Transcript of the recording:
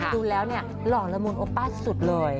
ดูแล้วเนี่ยหล่อละมุนโอป้าสุดเลย